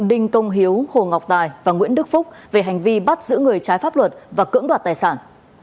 đinh công hiếu hồ ngọc tài và nguyễn đức phúc về hành vi bắt giữ người trái pháp luật và cưỡng đoạt tài sản